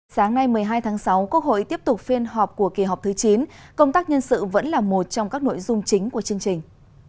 sáng nay một mươi hai tháng sáu quốc hội tiếp tục phiên họp của kỳ họp thứ chín công tác nhân sự vẫn là một trong các nội dung chính của chương trình